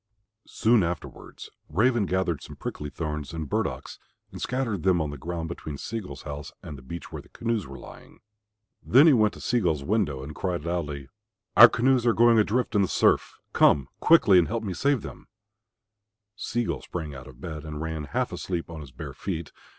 Soon afterwards Raven gathered some prickly thorns and burdocks and scattered them on the ground between Sea gull's house and the beach where the canoes were lying. Then he went to Sea gull's window and cried loudly, "Our canoes are going adrift in the surf. Come quickly and help me to save them." Sea gull sprang out of bed and ran half asleep on his bare feet.